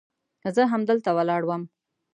زه همدلته ولاړ وم.